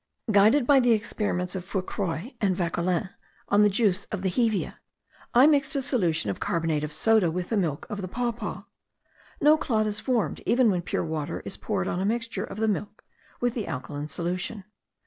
Guided by the experiments of Fourcroy and Vauquelin on the juice of the hevea, I mixed a solution of carbonate of soda with the milk of the papaw. No clot is formed, even when pure water is poured on a mixture of the milk with the alkaline solution.